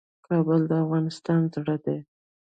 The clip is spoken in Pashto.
کابل د افغانستان زړه دی